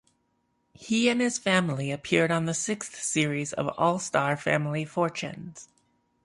He and his family appeared on the sixth series of All Star Family Fortunes.